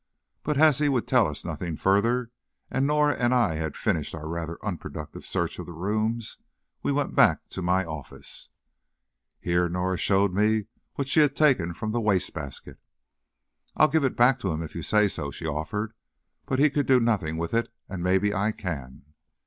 But as he would tell us nothing further, and as Norah and I had finished our rather unproductive search of the rooms, we went back to my office. Here Norah showed me what she had taken from the waste basket. "I'll give it back to him, if you say so," she offered; "but he could do nothing with it, and maybe I can."